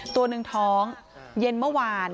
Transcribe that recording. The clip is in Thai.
ตัวหนึ่งท้องเย็นเมื่อวาน